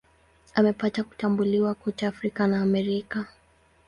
Amepata kutambuliwa kote Afrika na Amerika.